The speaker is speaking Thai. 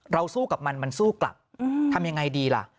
สู้กับมันมันสู้กลับทำยังไงดีล่ะ